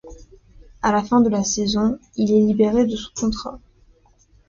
À la fin de la saison, il est libéré de son contrat.